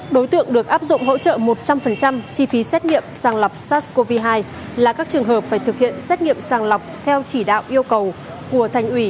đối tượng được áp dụng hỗ trợ một trăm linh chi phí xét nghiệm sàng lọc sars cov hai là các trường hợp phải thực hiện xét nghiệm sàng lọc theo chỉ đạo yêu cầu của thành ủy